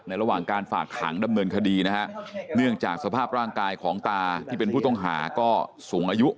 ระหว่างการฝากขังดำเนินคดีนะฮะเนื่องจากสภาพร่างกายของตาที่เป็นผู้ต้องหาก็สูงอายุ